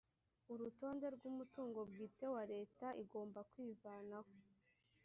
urutonde rw’umutungo bwite wa leta igomba kwivanaho